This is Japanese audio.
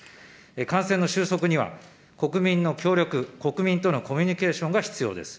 感染の収束には、国民の協力、国民とのコミュニケーションが必要です。